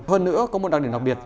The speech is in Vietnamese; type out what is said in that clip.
hơn nữa có một đặc điểm đặc biệt